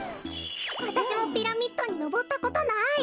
わたしもピラミッドにのぼったことない。